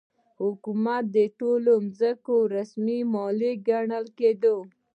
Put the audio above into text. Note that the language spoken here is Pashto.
حکومت د ټولو ځمکو رسمي مالک ګڼل کېده.